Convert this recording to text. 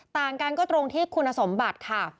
ต่างกันก็ตรงที่คุณสมบัติค่ะ